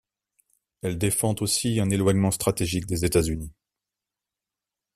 Elle défend aussi un éloignement stratégique des États-Unis.